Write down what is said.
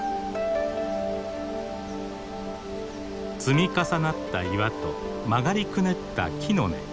積み重なった岩と曲がりくねった木の根。